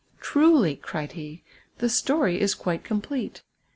" Truly," cried he, " the story is quite coiii])lete.